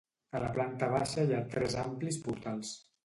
A la planta baixa hi ha tres amplis portals.